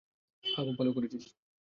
হ্যাঁ, খুব ভালো করেছিস।